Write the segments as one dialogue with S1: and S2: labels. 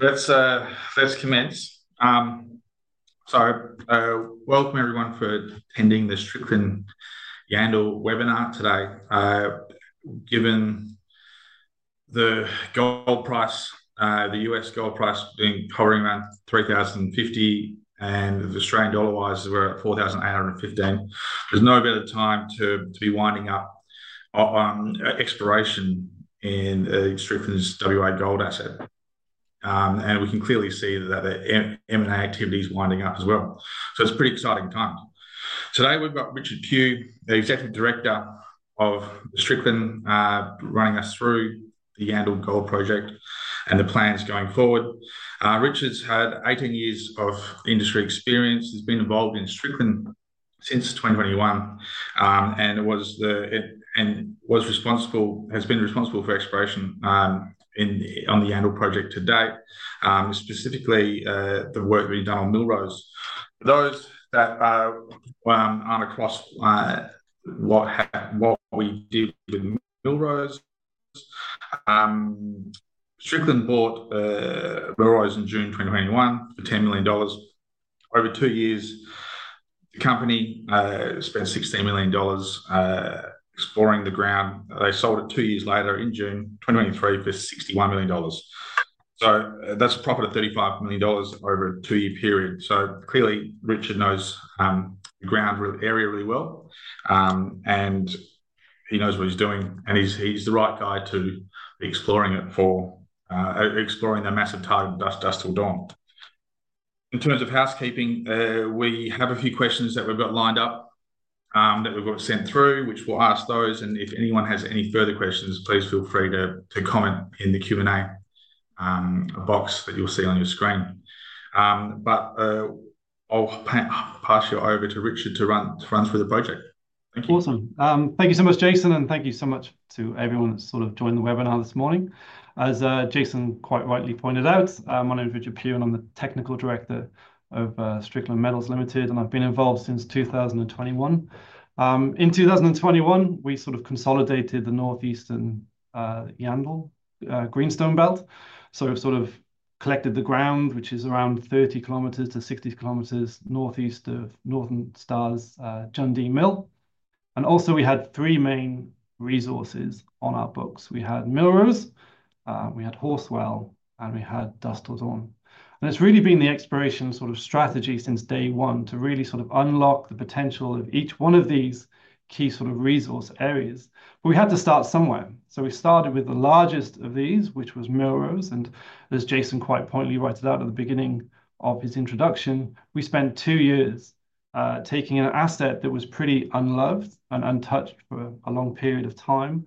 S1: That's commenced. Welcome, everyone, for attending the Strickland Yandal Webinar today. Given the gold price, the U.S. gold price being hovering around $3,050 and the Australian dollar-wise we're at 4,815, there's no better time to be winding up exploration in Strickland's WA gold asset. We can clearly see that the M&A activity is winding up as well. It's a pretty exciting time. Today we've got Richard Pugh, the Technical Director of Strickland, running us through the Yandal Gold Project and the plans going forward. Richard's had 18 years of industry experience. He's been involved in Strickland since 2021 and has been responsible for exploration on the Yandal Project to date, specifically the work being done on Millrose. For those that aren't across what we did with Millrose, Strickland bought Millrose in June 2021 for 10 million dollars. Over two years, the company spent 16 million dollars exploring the ground. They sold it two years later in June 2023 for 61 million dollars. That is a profit of 35 million dollars over a two-year period. Clearly, Richard knows the ground area really well and he knows what he's doing and he's the right guy to be exploring the massive target of Dusk 'til Dawn. In terms of housekeeping, we have a few questions that we've got lined up that we've got sent through, which we'll ask those. If anyone has any further questions, please feel free to comment in the Q&A box that you'll see on your screen. I'll pass you over to Richard to run through the project. Thank you.
S2: Awesome. Thank you so much, Jason, and thank you so much to everyone that's sort of joined the webinar this morning. As Jason quite rightly pointed out, my name is Richard Pugh and I'm the Technical Director of Strickland Metals Limited, and I've been involved since 2021. In 2021, we sort of consolidated the Northeastern Yandal Greenstone Belt. We sort of collected the ground, which is around 30 km to 60 km northeast of Northern Star's Jundee Mill. Also, we had three main resources on our books. We had Millrose, we had Horse Well, and we had Dusk 'til Dawn. It's really been the exploration sort of strategy since day one to really sort of unlock the potential of each one of these key sort of resource areas. We had to start somewhere. We started with the largest of these, which was Millrose. As Jason quite pointedly writes it out at the beginning of his introduction, we spent two years taking an asset that was pretty unloved and untouched for a long period of time.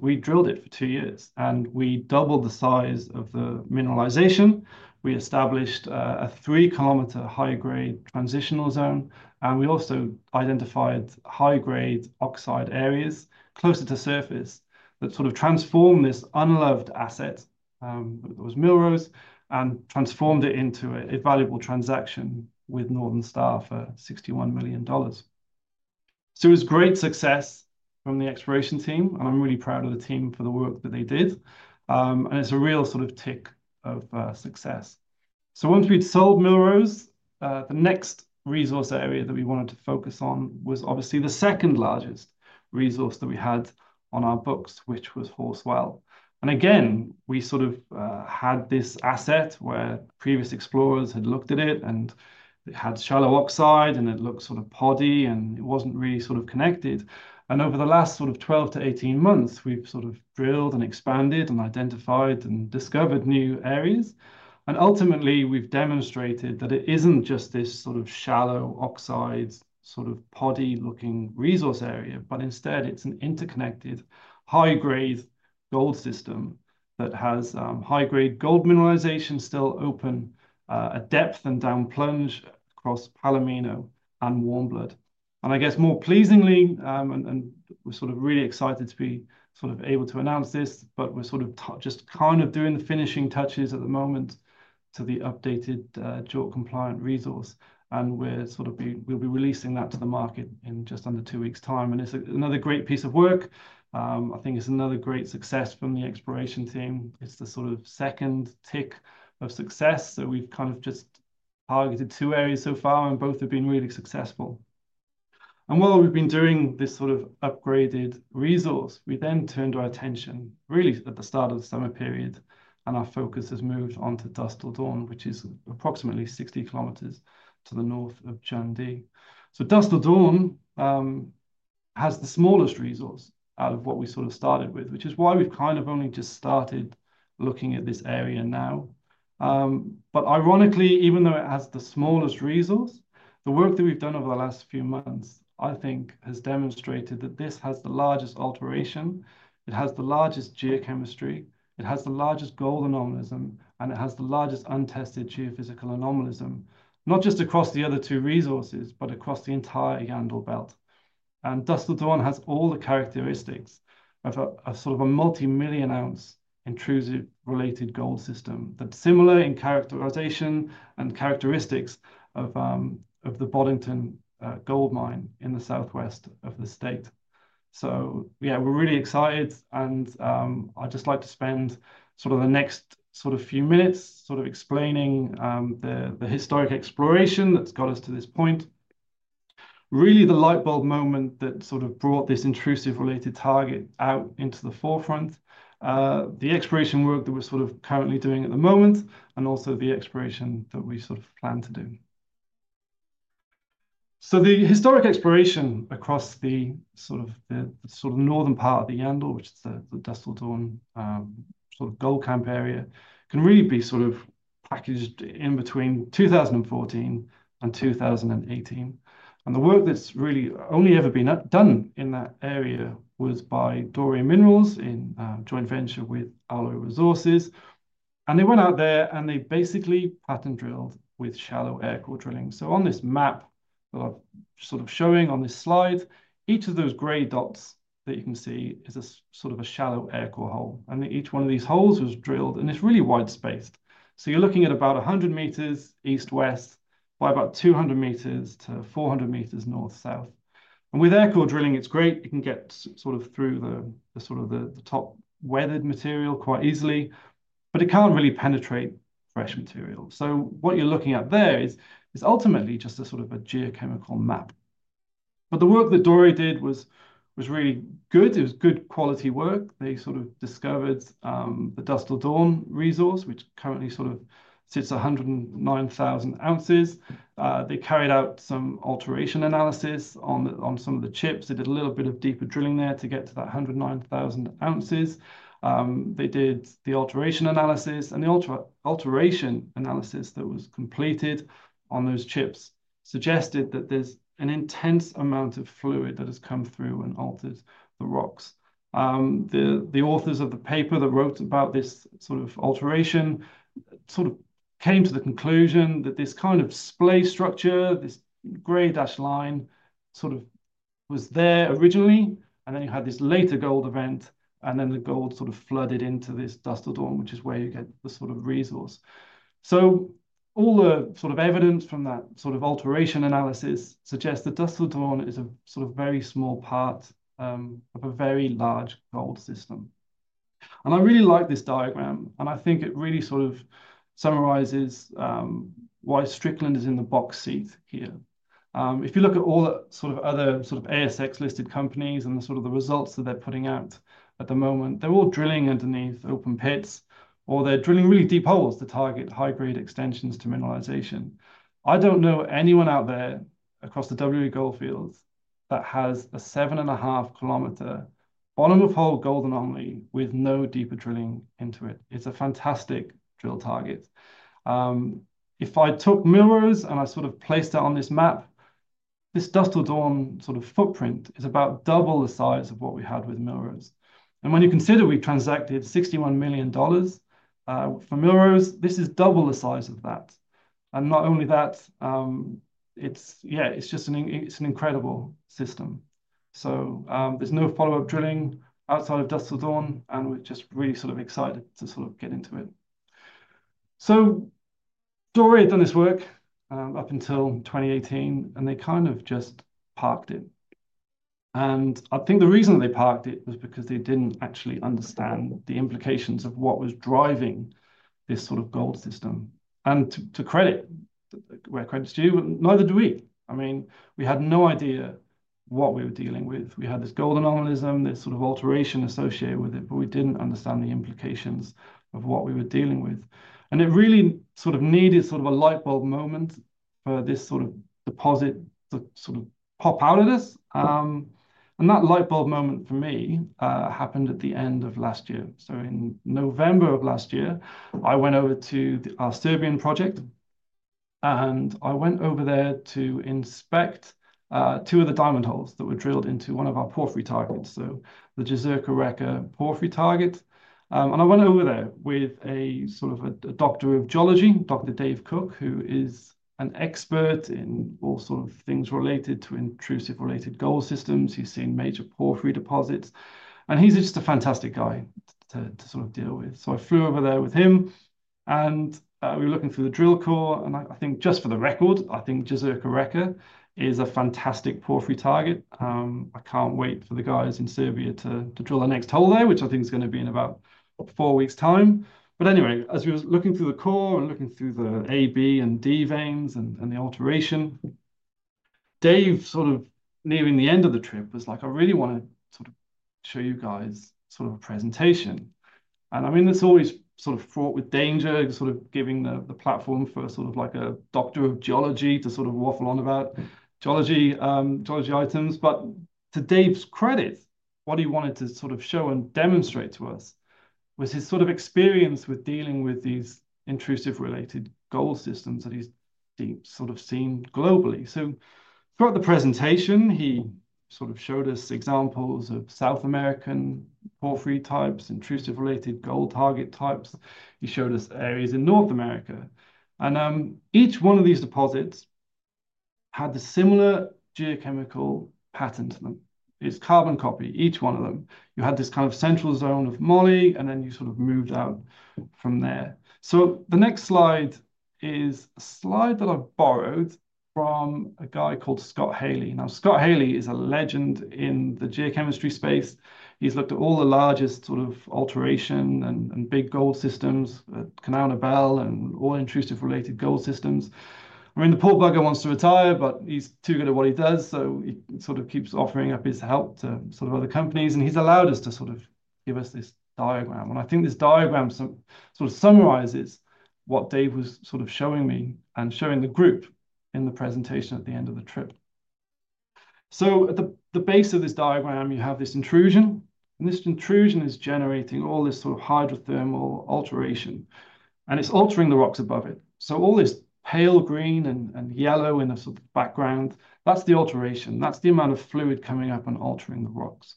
S2: We drilled it for two years and we doubled the size of the mineralization. We established a three-kilometer high-grade transitional zone, and we also identified high-grade oxide areas closer to surface that sort of transformed this unloved asset that was Millrose and transformed it into a valuable transaction with Northern Star for 61 million dollars. It was great success from the exploration team, and I'm really proud of the team for the work that they did. It's a real sort of tick of success. Once we'd sold Millrose, the next resource area that we wanted to focus on was obviously the second largest resource that we had on our books, which was Horse Well. We sort of had this asset where previous explorers had looked at it and it had shallow oxide and it looked sort of poddy and it was not really sort of connected. Over the last 12 to 18 months, we have sort of drilled and expanded and identified and discovered new areas. Ultimately, we have demonstrated that it is not just this sort of shallow oxide sort of poddy-looking resource area, but instead it is an interconnected high-grade gold system that has high-grade gold mineralization still open at depth and down plunge across Palomino and Warmblood. I guess more pleasingly, and we are sort of really excited to be sort of able to announce this, but we are sort of just kind of doing the finishing touches at the moment to the updated JORC-compliant resource. We're sort of, we'll be releasing that to the market in just under two weeks' time. It's another great piece of work. I think it's another great success from the exploration team. It's the sort of second tick of success. We've kind of just targeted two areas so far and both have been really successful. While we've been doing this sort of upgraded resource, we then turned our attention really at the start of the summer period and our focus has moved on to Dusk 'til Dawn, which is approximately 60 km to the north of Jundee. Dusk 'til Dawn has the smallest resource out of what we sort of started with, which is why we've kind of only just started looking at this area now. Ironically, even though it has the smallest resource, the work that we've done over the last few months, I think, has demonstrated that this has the largest alteration. It has the largest geochemistry. It has the largest gold anomalism, and it has the largest untested geophysical anomalism, not just across the other two resources, but across the entire Yandal Belt. Dusk 'til Dawn has all the characteristics of sort of a multi-million ounce intrusion-related gold system that's similar in characterization and characteristics of the Boddington Gold Mine in the southwest of the state. Yeah, we're really excited and I'd just like to spend the next few minutes explaining the historic exploration that's got us to this point, really the light bulb moment that brought this intrusion-related target out into the forefront, the exploration work that we're currently doing at the moment, and also the exploration that we plan to do. The historic exploration across the northern part of the Yandal, which is the Dusk 'til Dawn gold camp area, can really be packaged in between 2014 and 2018. The work that's really only ever been done in that area was by Doray Minerals in joint venture with Alloy Resources. They went out there and they basically pattern drilled with shallow aircore drilling. On this map that I'm sort of showing on this slide, each of those gray dots that you can see is a sort of a shallow aircore hole. Each one of these holes was drilled and it's really wide spaced. You're looking at about 100 m east-west by about 200-400 m north-south. With aircore drilling, it's great. You can get sort of through the sort of the top weathered material quite easily, but it can't really penetrate fresh material. What you're looking at there is ultimately just a sort of a geochemical map. The work that Doray did was really good. It was good quality work. They sort of discovered the Dusk 'til Dawn resource, which currently sort of sits at 109,000 oz. They carried out some alteration analysis on some of the chips. They did a little bit of deeper drilling there to get to that 109,000 oz. They did the alteration analysis and the alteration analysis that was completed on those chips suggested that there's an intense amount of fluid that has come through and altered the rocks. The authors of the paper that wrote about this sort of alteration sort of came to the conclusion that this kind of splay structure, this gray dashed line sort of was there originally, and you had this later gold event, and the gold sort of flooded into this Dusk 'til Dawn, which is where you get the sort of resource. All the sort of evidence from that sort of alteration analysis suggests that Dusk 'til Dawn is a sort of very small part of a very large gold system. I really like this diagram, and I think it really sort of summarizes why Strickland is in the box seat here. If you look at all the sort of other sort of ASX-listed companies and the sort of the results that they're putting out at the moment, they're all drilling underneath open pits or they're drilling really deep holes to target high-grade extensions to mineralization. I do not know anyone out there across the WA goldfields that has a 7.5-kilometer bottom-of-hole gold anomaly with no deeper drilling into it. It is a fantastic drill target. If I took Millrose and I sort of placed it on this map, this Dusk 'til Dawn sort of footprint is about double the size of what we had with Millrose. And when you consider we transacted 61 million dollars for Millrose, this is double the size of that. Not only that, yeah, it's just an incredible system. There's no follow-up drilling outside of Dusk 'til Dawn, and we're just really sort of excited to sort of get into it. Doray had done this work up until 2018, and they kind of just parked it. I think the reason they parked it was because they didn't actually understand the implications of what was driving this sort of gold system. To credit where credit's due, neither do we. I mean, we had no idea what we were dealing with. We had this gold anomalism, this sort of alteration associated with it, but we didn't understand the implications of what we were dealing with. It really sort of needed a light bulb moment for this sort of deposit to sort of pop out of this. That light bulb moment for me happened at the end of last year. In November of last year, I went over to our Serbian project, and I went over there to inspect two of the diamond holes that were drilled into one of our porphyry targets, the Jezerska Reka porphyry target. I went over there with a sort of a doctor of geology, Dr. Dave Cooke, who is an expert in all sort of things related to intrusion-related gold systems. He's seen major porphyry deposits, and he's just a fantastic guy to sort of deal with. I flew over there with him, and we were looking through the drill core, and I think just for the record, I think Jezerska Reka is a fantastic porphyry target. I can't wait for the guys in Serbia to drill our next hole there, which I think is going to be in about four weeks' time. Anyway, as we were looking through the core and looking through the A, B, and D veins and the alteration, Dave, sort of nearing the end of the trip, was like, "I really want to sort of show you guys sort of a presentation." I mean, it's always sort of fraught with danger, sort of giving the platform for sort of like a doctor of geology to sort of waffle on about geology items. To Dave's credit, what he wanted to sort of show and demonstrate to us was his sort of experience with dealing with these intrusion-related gold systems that he's sort of seen globally. Throughout the presentation, he sort of showed us examples of South American porphyry types, intrusion-related gold target types. He showed us areas in North America. Each one of these deposits had a similar geochemical pattern to them. It is carbon copy, each one of them. You had this kind of central zone of moly, and then you sort of moved out from there. The next slide is a slide that I borrowed from a guy called Scott Halley. Now, Scott Halley is a legend in the geochemistry space. He has looked at all the largest sort of alteration and big gold systems, Candelaria, and all intrusion-related gold systems. I mean, the poor bugger wants to retire, but he is too good at what he does. He sort of keeps offering up his help to sort of other companies, and he's allowed us to sort of give us this diagram. I think this diagram sort of summarizes what Dave was sort of showing me and showing the group in the presentation at the end of the trip. At the base of this diagram, you have this intrusion, and this intrusion is generating all this sort of hydrothermal alteration, and it's altering the rocks above it. All this pale green and yellow in the sort of background, that's the alteration. That's the amount of fluid coming up and altering the rocks.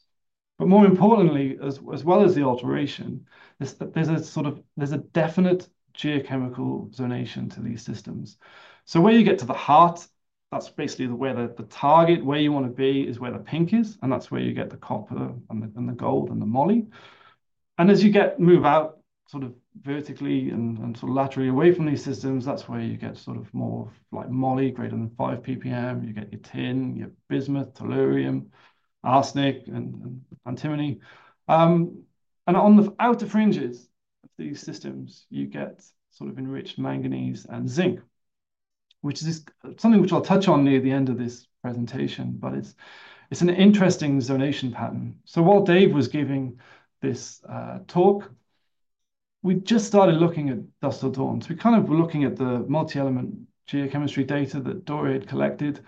S2: More importantly, as well as the alteration, there's a sort of there's a definite geochemical zonation to these systems. Where you get to the heart, that's basically the way that the target, where you want to be, is where the pink is, and that's where you get the copper and the gold and the moly. As you move out sort of vertically and sort of laterally away from these systems, that's where you get more like moly, greater than 5 ppm. You get your tin, your bismuth, tellurium, arsenic, and antimony. On the outer fringes of these systems, you get enriched manganese and zinc, which is something I'll touch on near the end of this presentation, but it's an interesting zonation pattern. While Dave was giving this talk, we just started looking at Dusk 'til Dawn. We kind of were looking at the multi-element geochemistry data that Doray had collected,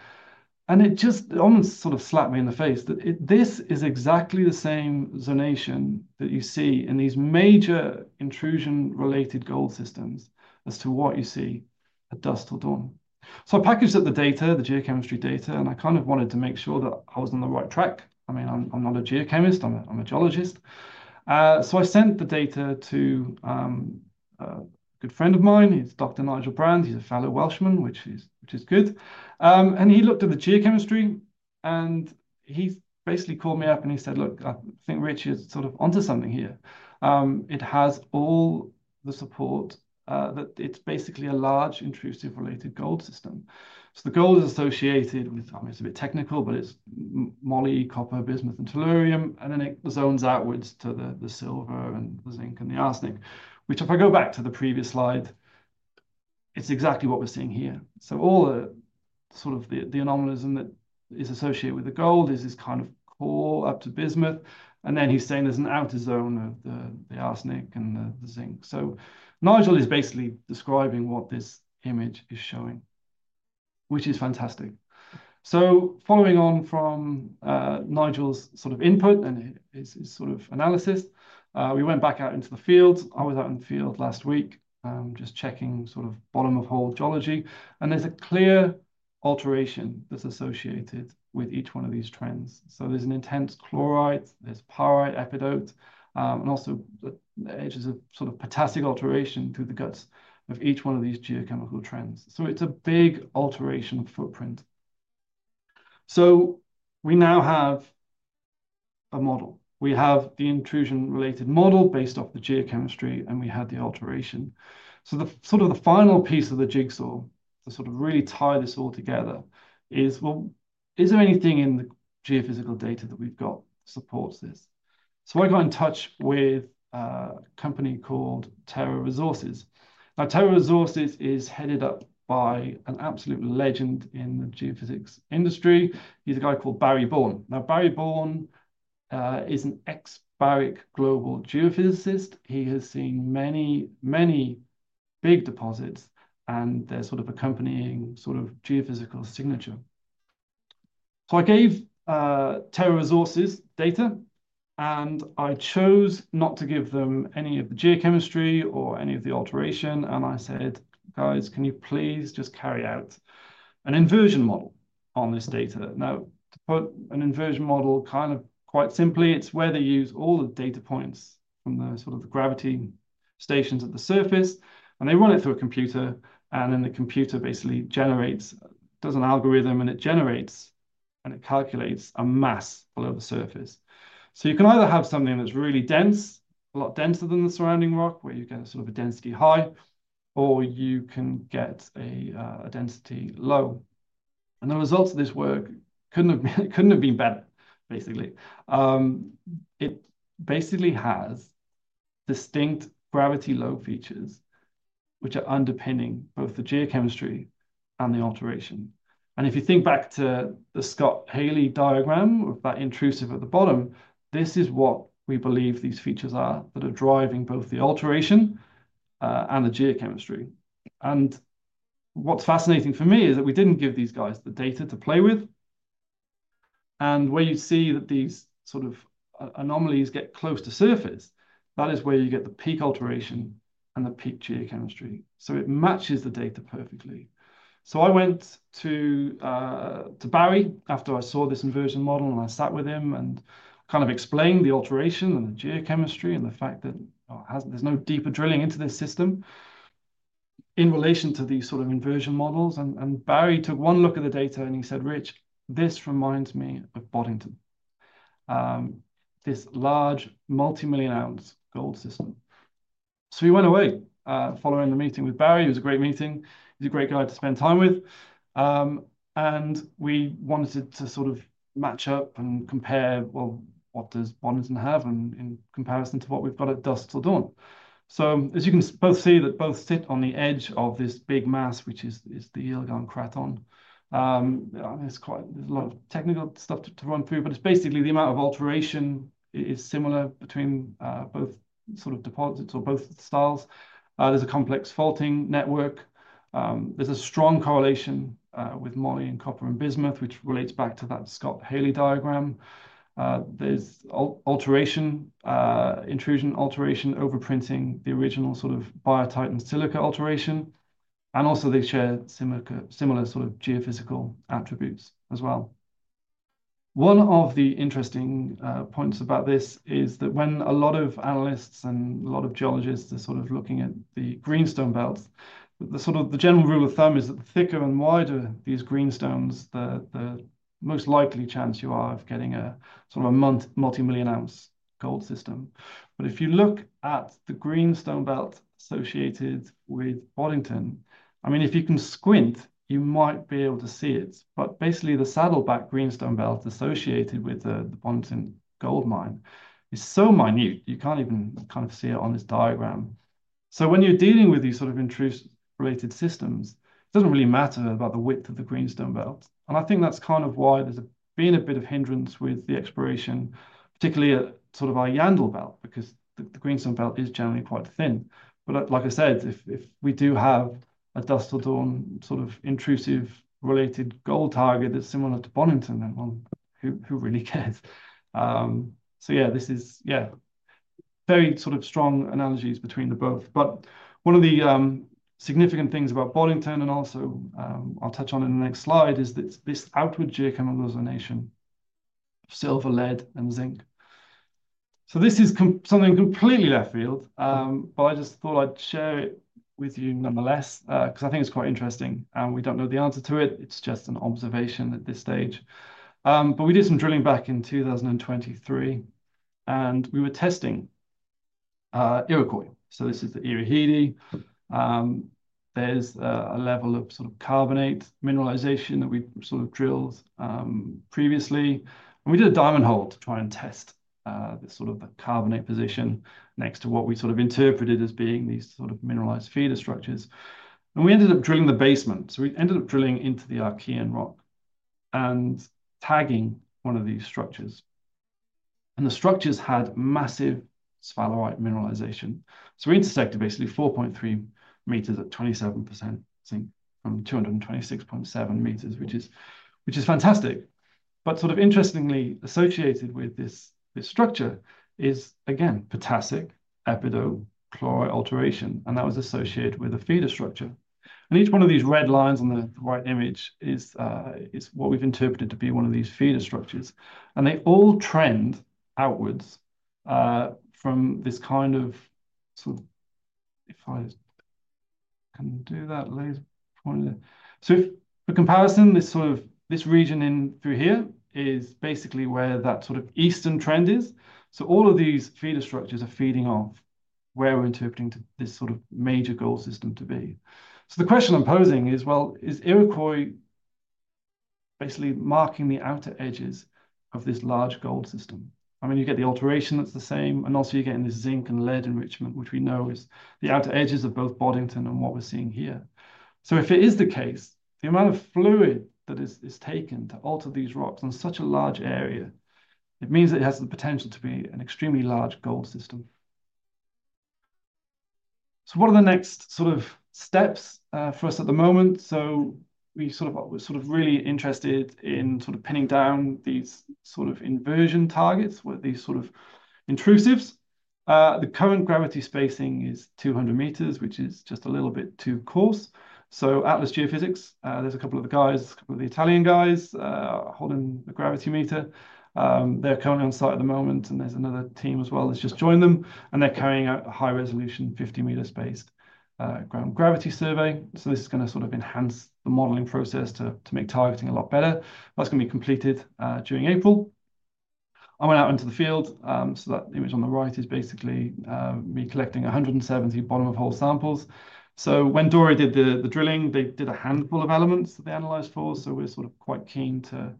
S2: and it just almost sort of slapped me in the face that this is exactly the same zonation that you see in these major intrusion-related gold systems as to what you see at Dusk 'til Dawn. I packaged up the data, the geochemistry data, and I kind of wanted to make sure that I was on the right track. I mean, I'm not a geochemist. I'm a geologist. I sent the data to a good friend of mine. He's Dr. Nigel Brand. He's a fellow Welshman, which is good. He looked at the geochemistry, and he basically called me up and he said, "Look, I think Rich is sort of onto something here. It has all the support that it's basically a large intrusion-related gold system. The gold is associated with, I mean, it's a bit technical, but it's moly, copper, bismuth, and tellurium, and then it zones outwards to the silver and the zinc and the arsenic, which if I go back to the previous slide, it's exactly what we're seeing here. All the sort of anomalism that is associated with the gold is this kind of core up to bismuth, and then he's saying there's an outer zone of the arsenic and the zinc. Nigel is basically describing what this image is showing, which is fantastic. Following on from Nigel's sort of input and his sort of analysis, we went back out into the field. I was out in the field last week just checking sort of bottom-of-hole geology, and there's a clear alteration that's associated with each one of these trends. There's an intense chlorite, there's pyrite, epidote, and also there's a sort of potassic alteration through the guts of each one of these geochemical trends. It's a big alteration footprint. We now have a model. We have the intrusion-related model based off the geochemistry, and we had the alteration. The sort of the final piece of the jigsaw to sort of really tie this all together is, is there anything in the geophysical data that we've got that supports this? I got in touch with a company called Terra Resources. Terra Resources is headed up by an absolute legend in the geophysics industry. He's a guy called Barry Bourne. Now, Barry Bourne is an ex-Barrick global geophysicist. He has seen many, many big deposits, and their sort of accompanying sort of geophysical signature. I gave Terra Resources data, and I chose not to give them any of the geochemistry or any of the alteration, and I said, "Guys, can you please just carry out an inversion model on this data?" To put an inversion model kind of quite simply, it's where they use all the data points from the sort of the gravity stations at the surface, and they run it through a computer, and then the computer basically generates, does an algorithm, and it generates and it calculates a mass below the surface. You can either have something that's really dense, a lot denser than the surrounding rock, where you get a sort of a density high, or you can get a density low. The results of this work couldn't have been better, basically. It basically has distinct gravity load features, which are underpinning both the geochemistry and the alteration. If you think back to the Scott Halley diagram of that intrusive at the bottom, this is what we believe these features are that are driving both the alteration and the geochemistry. What's fascinating for me is that we didn't give these guys the data to play with. Where you see that these sort of anomalies get close to surface, that is where you get the peak alteration and the peak geochemistry. It matches the data perfectly. I went to Barry after I saw this inversion model, and I sat with him and kind of explained the alteration and the geochemistry and the fact that there's no deeper drilling into this system in relation to these sort of inversion models. Barry took one look at the data, and he said, "Rich, this reminds me of Boddington, this large multi-million ounce gold system." He went away following the meeting with Barry. It was a great meeting. He's a great guy to spend time with. We wanted to sort of match up and compare, well, what does Boddington have in comparison to what we've got at Dusk 'til Dawn? As you can see, both sit on the edge of this big mass, which is the Yilgarn Craton. I mean, there's quite a lot of technical stuff to run through, but it's basically the amount of alteration is similar between both sort of deposits or both styles. There's a complex faulting network. There's a strong correlation with moly and copper and bismuth, which relates back to that Scott Halley diagram. There's alteration, intrusion alteration, overprinting, the original sort of biotite and silica alteration, and also they share similar sort of geophysical attributes as well. One of the interesting points about this is that when a lot of analysts and a lot of geologists are sort of looking at the greenstone belts, the sort of the general rule of thumb is that the thicker and wider these greenstones, the most likely chance you are of getting a sort of a multi-million ounce gold system. If you look at the greenstone belt associated with Boddington, I mean, if you can squint, you might be able to see it, but basically the Saddleback Greenstone Belt associated with the Boddington gold mine is so minute, you can't even kind of see it on this diagram. When you're dealing with these sort of intrusion-related systems, it doesn't really matter about the width of the greenstone belt. I think that's kind of why there's been a bit of hindrance with the exploration, particularly at sort of our Yandal Belt, because the greenstone belt is generally quite thin. Like I said, if we do have a Dusk 'til Dawn sort of intrusion-related gold target that's similar to Boddington, then who really cares? This is, yeah, very sort of strong analogies between the both. One of the significant things about Boddington, and also I'll touch on in the next slide, is that this outward geochemical zonation of silver, lead, and zinc. This is something completely left field, but I just thought I'd share it with you nonetheless because I think it's quite interesting. We don't know the answer to it. It's just an observation at this stage. We did some drilling back in 2023, and we were testing Iroquois. This is the Earaheedy. There's a level of sort of carbonate mineralization that we sort of drilled previously. We did a diamond hole to try and test this sort of the carbonate position next to what we sort of interpreted as being these sort of mineralized feeder structures. We ended up drilling the basement. We ended up drilling into the Archean rock and tagging one of these structures. The structures had massive sphalerite mineralization. We intersected basically 4.3 m at 27% zinc from 226.7 m, which is fantastic. Interestingly, associated with this structure is, again, potassic epidote-chlorite alteration, and that was associated with a feeder structure. Each one of these red lines on the right image is what we've interpreted to be one of these feeder structures. They all trend outwards from this kind of, if I can do that, Liz, point it. For comparison, this region in through here is basically where that eastern trend is. All of these feeder structures are feeding off where we're interpreting this major gold system to be. The question I'm posing is, is Iroquois basically marking the outer edges of this large gold system? I mean, you get the alteration that's the same, and also you're getting this zinc and lead enrichment, which we know is the outer edges of both Boddington and what we're seeing here. If it is the case, the amount of fluid that is taken to alter these rocks on such a large area, it means that it has the potential to be an extremely large gold system. What are the next sort of steps for us at the moment? We were really interested in pinning down these inversion targets with these intrusives. The current gravity spacing is 200 m, which is just a little bit too coarse. Atlas Geophysics, there's a couple of the guys, a couple of the Italian guys holding the gravity meter. They're currently on site at the moment, and there's another team as well that's just joined them, and they're carrying out a high-resolution 50 m spaced ground gravity survey. This is going to sort of enhance the modeling process to make targeting a lot better. That's going to be completed during April. I went out into the field. That image on the right is basically me collecting 170 bottom-of-hole samples. When Doray did the drilling, they did a handful of elements that they analyzed for. We're sort of quite keen to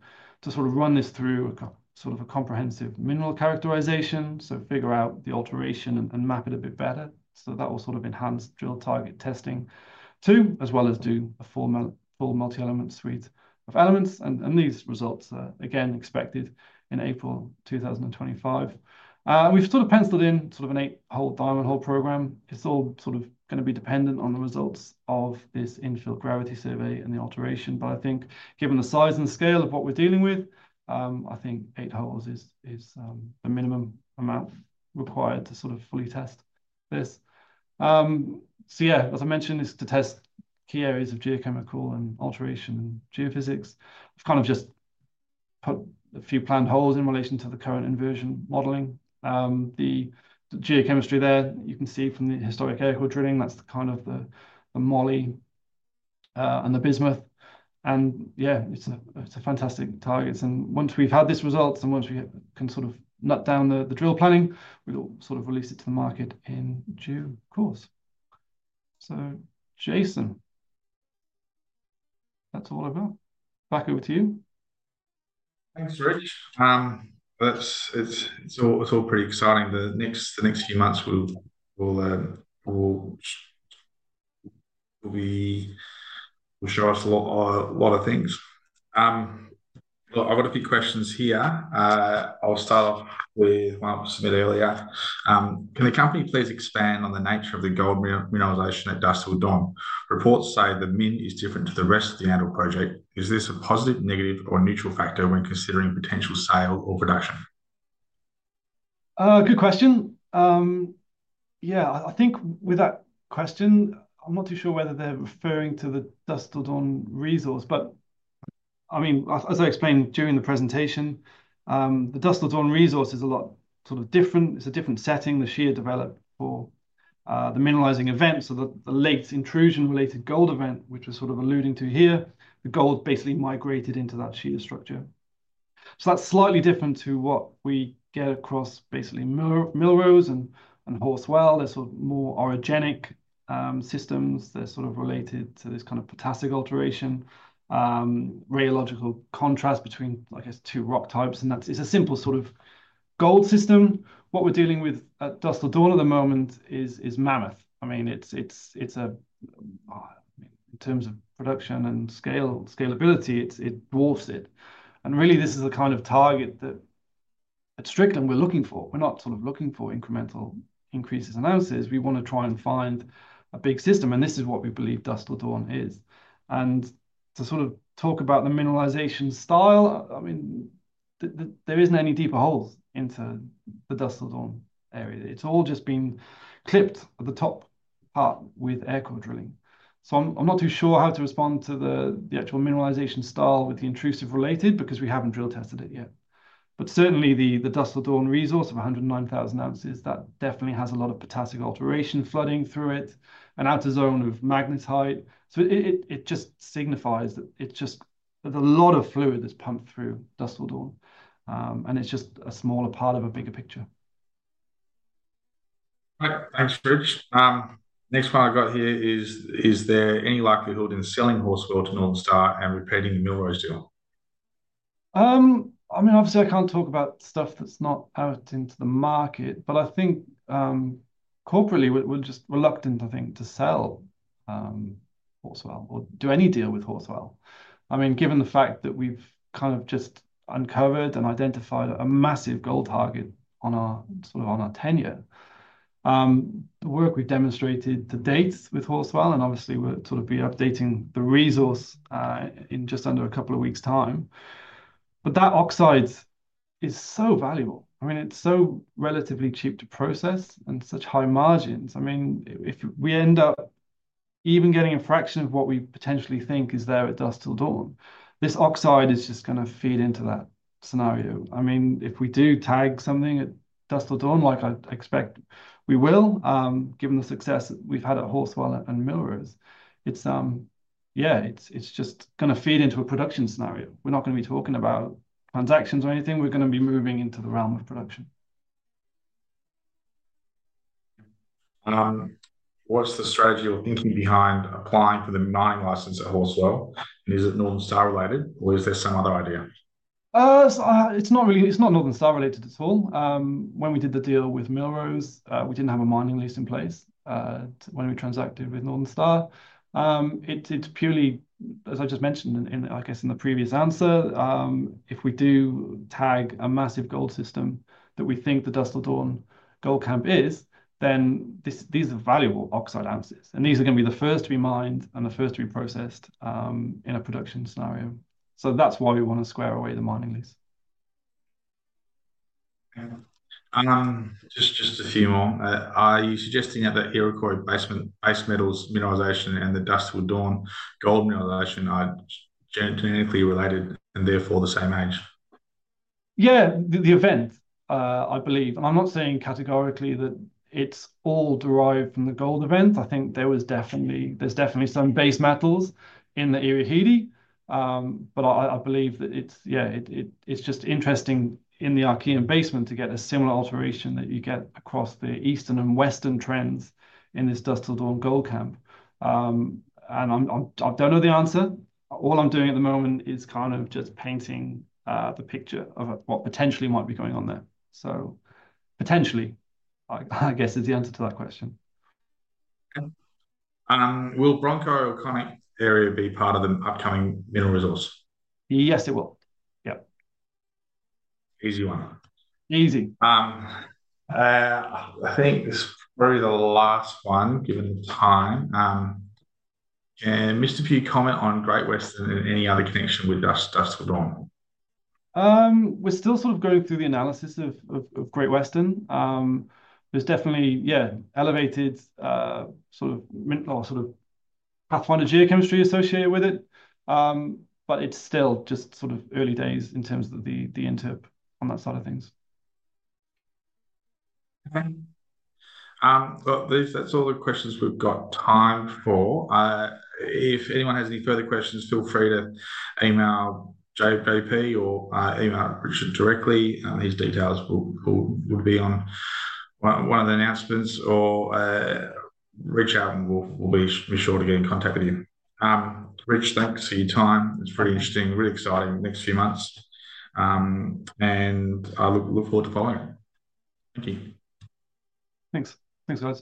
S2: sort of run this through a comprehensive mineral characterization, to figure out the alteration and map it a bit better. That will sort of enhance drill target testing too, as well as do a full multi-element suite of elements. These results, again, expected in April 2025. We've sort of penciled in sort of an eight-hole diamond hole program. It's all sort of going to be dependent on the results of this infill gravity survey and the alteration. I think given the size and scale of what we're dealing with, I think eight holes is the minimum amount required to sort of fully test this. As I mentioned, it's to test key areas of geochemical and alteration and geophysics. I've kind of just put a few planned holes in relation to the current inversion modeling. The geochemistry there, you can see from the historic aerial drilling, that's the kind of the moly and the bismuth. It's a fantastic target. Once we've had this result and once we can sort of nut down the drill planning, we'll sort of release it to the market in due course. Jason, that's all I've got. Back over to you.
S1: Thanks, Rich. It's all pretty exciting. The next few months will show us a lot of things. I've got a few questions here. I'll start off with one I submitted earlier. Can the company please expand on the nature of the gold mineralization at Dusk 'til Dawn? Reports say the min is different to the rest of the Yandal project. Is this a positive, negative, or neutral factor when considering potential sale or production?
S2: Good question. Yeah, I think with that question, I'm not too sure whether they're referring to the Dusk 'til Dawn resource, but I mean, as I explained during the presentation, the Dusk 'til Dawn resource is a lot sort of different. It's a different setting. The shear developed for the mineralizing event, so the late intrusion-related gold event, which we're sort of alluding to here, the gold basically migrated into that shear structure. That is slightly different to what we get across basically Millrose and Horse Well. They are more orogenic systems. They are related to this kind of potassic alteration, radiological contrast between, I guess, two rock types. That is a simple sort of gold system. What we are dealing with at Dusk 'til Dawn at the moment is mammoth. I mean, in terms of production and scalability, it dwarfs it. Really, this is the kind of target that at Strickland, we are looking for. We are not looking for incremental increases in ounces. We want to try and find a big system, and this is what we believe Dusk 'til Dawn is. To sort of talk about the mineralization style, I mean, there isn't any deeper holes into the Dusk 'til Dawn area. It's all just been clipped at the top part with aircore drilling. I'm not too sure how to respond to the actual mineralization style with the intrusive related because we haven't drill tested it yet. Certainly, the Dusk 'til Dawn resource of 109,000 oz, that definitely has a lot of potassic alteration flooding through it, an outer zone of magnetite. It just signifies that it's just a lot of fluid that's pumped through Dusk 'til Dawn, and it's just a smaller part of a bigger picture.
S1: Thanks, Rich. Next one I've got here is, is there any likelihood in selling Horse Well to Northern Star and repeating the Millrose deal?
S2: I mean, obviously, I can't talk about stuff that's not out into the market, but I think corporately, we're just reluctant, I think, to sell Horse Well or do any deal with Horse Well. I mean, given the fact that we've kind of just uncovered and identified a massive gold target on our sort of tenure, the work we've demonstrated to date with Horse Well, and obviously, we'll sort of be updating the resource in just under a couple of weeks' time. That oxide is so valuable. I mean, it's so relatively cheap to process and such high margins. I mean, if we end up even getting a fraction of what we potentially think is there at Dusk 'til Dawn, this oxide is just going to feed into that scenario. I mean, if we do tag something at Dusk 'til Dawn, like I expect we will, given the success we've had at Horse Well and Millrose, yeah, it's just going to feed into a production scenario. We're not going to be talking about transactions or anything. We're going to be moving into the realm of production. What's the strategy or thinking behind applying for the mining license at Horse Well? Is it Northern Star related, or is there some other idea? It's not Northern Star related at all. When we did the deal with Millrose, we didn't have a mining lease in place when we transacted with Northern Star. It's purely, as I just mentioned, I guess in the previous answer, if we do tag a massive gold system that we think the Dusk 'til Dawn gold camp is, then these are valuable oxide ounces. These are going to be the first to be mined and the first to be processed in a production scenario. That is why we want to square away the mining lease.
S1: Just a few more. Are you suggesting that the Iroquois basement base metals mineralization and the Dusk 'til Dawn gold mineralization are genetically related and therefore the same age?
S2: Yeah, the event, I believe. I am not saying categorically that it is all derived from the gold event. I think there was definitely some base metals in the Iroquois, but I believe that it is just interesting in the Archean basement to get a similar alteration that you get across the eastern and western trends in this Dusk 'til Dawn gold camp. I do not know the answer. All I am doing at the moment is kind of just painting the picture of what potentially might be going on there. Potentially, I guess, is the answer to that question.
S1: Will Bronco-Konik area be part of the upcoming mineral resource?
S2: Yes, it will. Yep.
S1: Easy one.
S2: Easy.
S1: I think this is probably the last one given the time. Mr. Pugh, comment on Great Western and any other connection with Dusk 'til Dawn?
S2: We're still sort of going through the analysis of Great Western. There's definitely, yeah, elevated sort of pathfinder geochemistry associated with it, but it's still just sort of early days in terms of the interpretation on that side of things.
S1: That's all the questions we've got time for. If anyone has any further questions, feel free to email JPP or email Richard directly. His details would be on one of the announcements, or reach out, and we'll be sure to get in contact with you. Rich, thanks for your time. It's pretty interesting, really exciting next few months. I look forward to following it. Thank you.
S2: Thanks. Thanks, Alex.